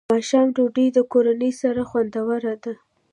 ماښام ډوډۍ د کورنۍ سره خوندوره ده.